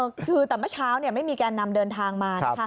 คือแต่เมื่อเช้าไม่มีแกนนำเดินทางมานะคะ